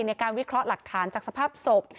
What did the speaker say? ในการวิเคราะห์หลักฐานจากสภาพศพ